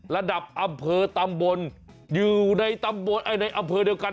ระดับอำเภอตำบลอยู่ในตำบลในอำเภอเดียวกัน